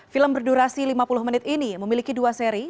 film berdurasi lima puluh menit ini memiliki dua seri